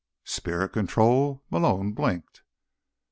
"Spirit control?" Malone blinked.